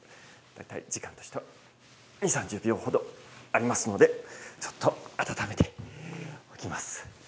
大体、時間としては２、３０秒ほどありますので、ちょっと温めておきます。